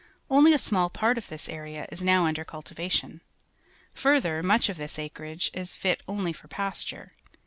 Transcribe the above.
Only a small part of this area is now under cultivation. Further, much of this acreage is fit only for pasture.